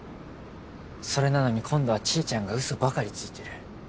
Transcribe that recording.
それなのに今度はちーちゃんがウソばかりついてる。